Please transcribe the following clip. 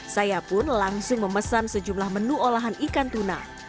saya pun langsung memesan sejumlah menu olahan ikan tuna